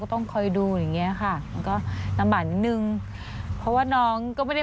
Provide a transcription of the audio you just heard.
ก็ช่วยเหลือได้